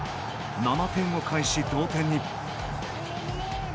７点を返し、同点に。